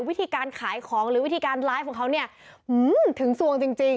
วิธีการขายของหรือวิธีการไลฟ์ของเขาเนี่ยถึงสวงจริง